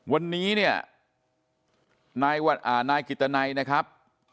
วันนี้เนี่ยนายกิตนัยนะครับ